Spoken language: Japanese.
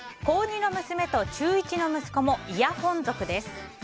高２の娘と中１の息子もイヤホン族です。